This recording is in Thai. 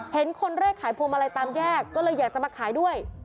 เห็นคนแรกขายพวงมาลัยตามแยกก็เลยอยากจะมาขายด้วย